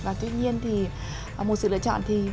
và tuy nhiên thì một sự lựa chọn thì